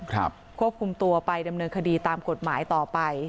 ควบคุมตัวไปดำเนินคดีตามกฎหมายต่อไป